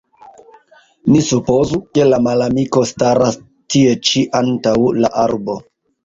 Ni supozu, ke la malamiko staras tie ĉi antaŭ la arbo.